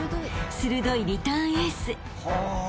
［鋭いリターンエース］